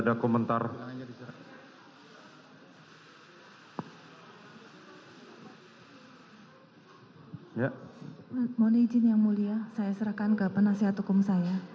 mohon izin yang mulia saya serahkan ke penasihat hukum saya